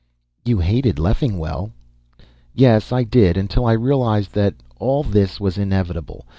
"You hated Leffingwell." "Yes, I did, until I realized that all this was inevitable.